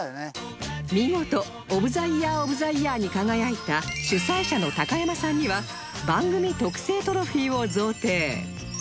見事オブ・ザ・イヤー・オブ・ザ・イヤーに輝いた主催者の高山さんには番組特製トロフィーを贈呈